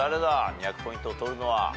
２００ポイントを取るのは。